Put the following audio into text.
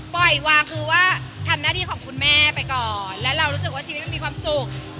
ปล่อยวางคือว่าทำหน้าที่ของคุณแม่ไปก่อนและเรารู้สึกว่าชีวิตมันมีความสุข